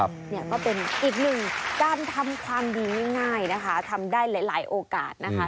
เนี่ยก็เป็นอีกหนึ่งการทำความดีง่ายนะคะทำได้หลายโอกาสนะคะ